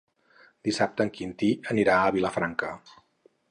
Dissabte en Quintí anirà a Vilafranca.